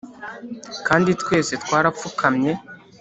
kandi twese twarapfukamye